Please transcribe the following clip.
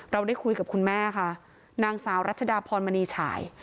เราได้คุยกับคุณแม่ค่ะนางสาวรัชดาพรมณีฉาย